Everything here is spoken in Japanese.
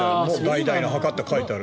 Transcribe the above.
代々の墓って書いてある。